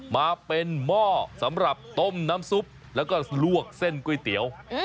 มาเป็นหม้อสำหรับต้มน้ำซุปแล้วก็ลวกเส้นก๋วยเตี๋ยว